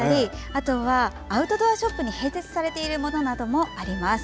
あとはアウトドアショップに併設されているものなどもあります。